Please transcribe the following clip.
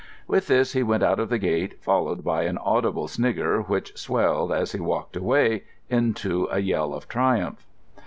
With this he went out of the gate, followed by an audible snigger which swelled, as he walked away, into a yell of triumph.